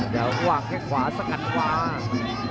จะวางแค่ขวาสกัดวาง